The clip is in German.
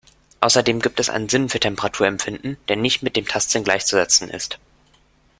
Außerdem gibt es einen Sinn für Temperaturempfinden, der nicht mit dem Tastsinn gleichzusetzen ist.